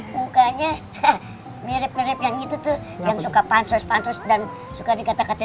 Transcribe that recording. mukanya mirip mirip yang itu tuh yang suka pansus pansus dan suka dikatakan